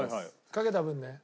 かけた分ね。